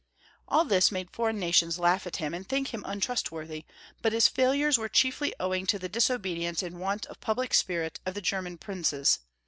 All this made foreign nations laugh at him and think him untrustworthy, but his failures were chiefly owing to the disobedience and want of public spirit of the German princes.